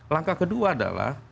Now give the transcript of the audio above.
langkah kedua adalah